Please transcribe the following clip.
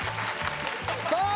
さあ